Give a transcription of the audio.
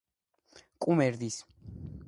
კუმურდოს ტაძრის ერთ-ერთი აღმშენებელი.